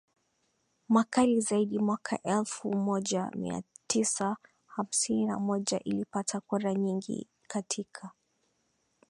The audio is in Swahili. makali zaidi Mwaka elfu moja mia tisa hamsini na moja ilipata kura nyingi katika